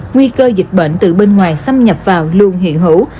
nguy cơ dịch bệnh từ bên ngoài xâm nhập vào luôn hiện hữu